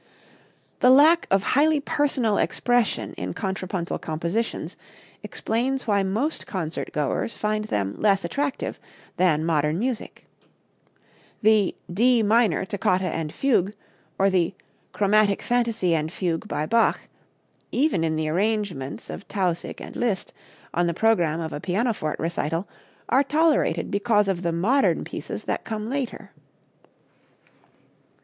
The lack of highly personal expression in contrapuntal compositions explains why most concert goers find them less attractive than modern music. The "D Minor Toccata and Fugue" or the "Chromatic Fantasie and Fugue" by Bach, even in the arrangements of Tausig and Liszt, on the program of a pianoforte recital, are tolerated because of the modern pieces that come later.